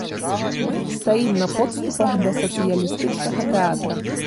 Мы стаім на подступах да сацыялістычнага тэатра.